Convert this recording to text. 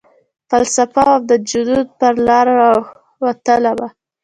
فلسفه وم ،دجنون پرلاروتلمه